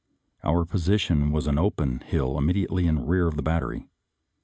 Our position was on an open hill immediately in rear of a battery.